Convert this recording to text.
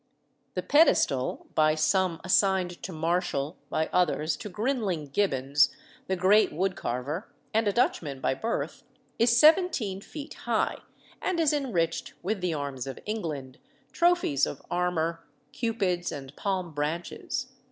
The pedestal, by some assigned to Marshal, by others to Grinling Gibbons, the great wood carver, and a Dutchman by birth, is seventeen feet high, and is enriched with the arms of England, trophies of armour, cupids, and palm branches.